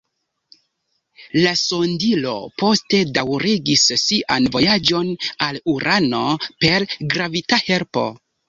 La sondilo poste daŭrigis sian vojaĝon al Urano per gravita helpo.